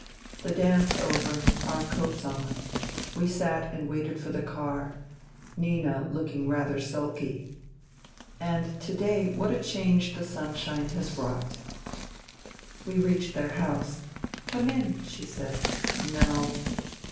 The dance over, our coats on, we sat and waited for INTERVENING IN SIBERIA 198 the car, Nina looking rather sulky. ... And to day what a change the sunshine has wrought ! We reached their house. " Come in," she said. " No."